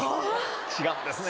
違うんですね